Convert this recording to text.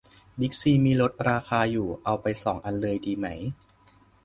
บิ๊กซีมีลดราคาอยู่ เอาไปสองอันเลยดีไหม